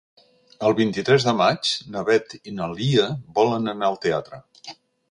El vint-i-tres de maig na Beth i na Lia volen anar al teatre.